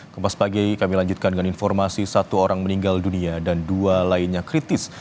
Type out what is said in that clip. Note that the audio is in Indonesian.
kempas pagi kami lanjutkan dengan informasi satu orang meninggal dunia dan dua lainnya kritis